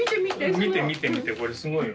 見て見て見てこれすごいよ。